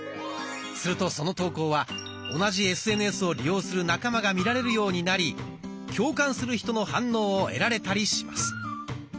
するとその投稿は同じＳＮＳを利用する仲間が見られるようになり共感する人の反応を得られたりします。